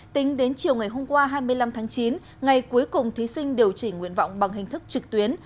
tính đến chiều ngày hôm qua hai mươi năm tháng chín ngày cuối cùng thí sinh điều chỉnh nguyện vọng bằng hình thức trực tuyến